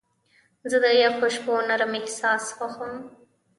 زه د یخو شپو نرم احساس خوښوم.